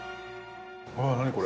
あ何これ？